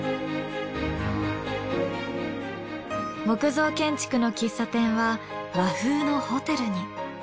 木造建築の喫茶店は和風のホテルに。